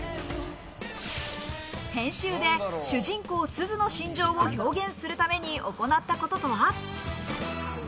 編集で主人公・すずの心情を表現するために行うこととは？